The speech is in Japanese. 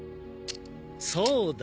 そうだ。